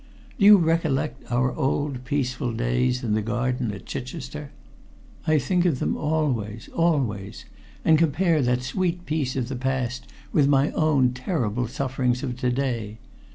Do you recollect our old peaceful days in the garden at Chichester? I think of them always, always, and compare that sweet peace of the past with my own terrible sufferings of to day.